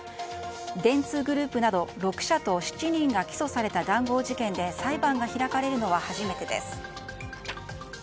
電通グループなど６社と７人が起訴された談合事件で裁判が開かれるのは初めてです。